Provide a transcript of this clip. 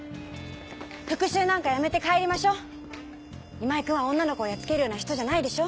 復讐なんかやめて帰りましょう今井君は女の子をやっつけるような人じゃないでしょ。